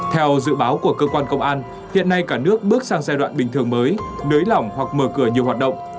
theo dự báo của cơ quan công an hiện nay cả nước bước sang giai đoạn bình thường mới nới lỏng hoặc mở cửa nhiều hoạt động